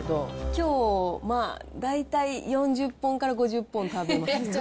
きょう、大体４０本から５０本食べます。